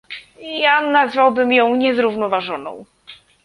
Ja nazwałbym ją niezrównoważoną